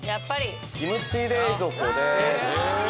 キムチ冷蔵庫です。